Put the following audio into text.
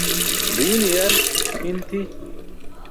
Ġiine yar hiṅ tʰi.